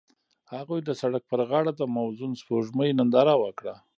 هغوی د سړک پر غاړه د موزون سپوږمۍ ننداره وکړه.